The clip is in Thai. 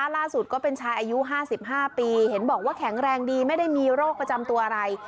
ก็เป็นชายอายุ๕๕ปีเห็นบอกว่าแข็งแรงดีไม่ได้มีโรคประจำตัวอะไร